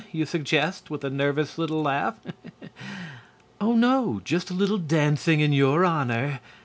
you suggest, with a nervous little laugh. "Oh, no, just a little dancing in your honor."